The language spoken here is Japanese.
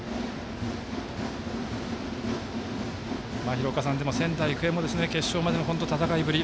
廣岡さん、仙台育英も決勝までの戦いぶり